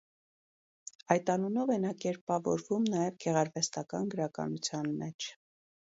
Այդ անունով է նա կերպավորվում նաև գեղարվեստական գրականության մեջ։